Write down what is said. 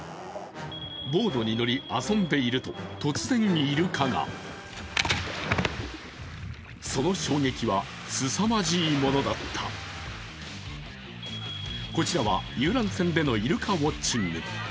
ボードに乗り遊んでいると、突然イルカがその衝撃は、すさまじいものだったこちらは遊覧船でのイルオウオッチング。